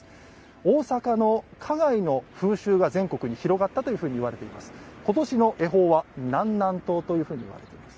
大阪の花街の風習が全国に広がったというふうにいわれています。